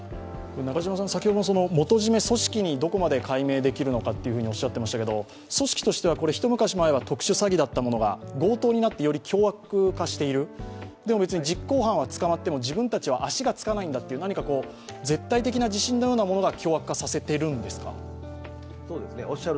元締め、組織にどこまで解明できるのかとおっしゃっていましたが、組織としては一昔前は特殊詐欺だったのが強盗になってより凶悪化しているでも別に実行犯は捕まっても自分たちは足がつかないんだという絶対的な自信のようなものが凶悪化させてるんですか。